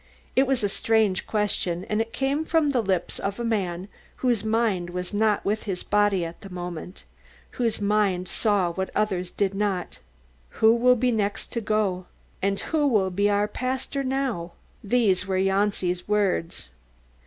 It was a strange question and it came from the lips of a man whose mind was not with his body at that moment whose mind saw what others did not see. "Who will be the next to go? And who will be our pastor now?" These were Janci's words.